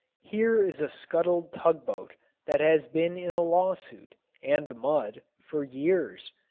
Here is a scuttled tug boat that has been in a law suit (and the mud) for years.